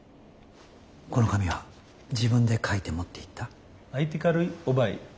この紙は自分で書いて持っていった？